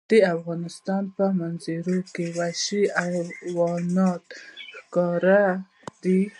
د افغانستان په منظره کې وحشي حیوانات ښکاره ده.